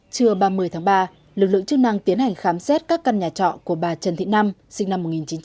trưa ba mươi tháng ba lực lượng chức năng tiến hành khám xét các căn nhà trọ của bà trần thị năm sinh năm một nghìn chín trăm tám mươi